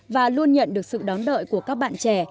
và luôn nhận được sự đón đợi của các bạn trẻ